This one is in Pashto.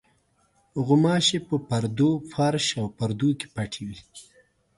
غوماشې په پردو، فرش او پردو کې پټې وي.